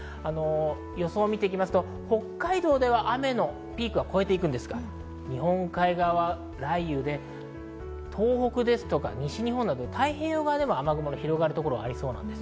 予想を見ると北海道では雨のピークは越えていますが、日本海側は雷雨で東北や西日本など、太平洋側でも雨雲が広がるところがありそうです。